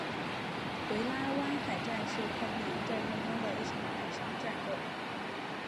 维拉湾海战是太平洋战争中的一场海上战斗。